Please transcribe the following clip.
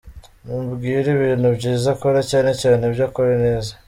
Mubwire ibintu byiza akora, cyane cyane ibyo akora neza.